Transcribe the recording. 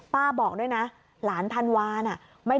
ป้าของน้องธันวาผู้ชมข่าวอ่อน